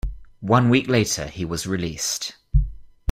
One week later he was released.